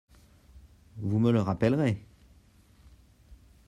Vous me le rappellerez ?